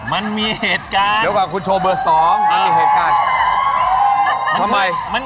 มันมีเหตุการณ์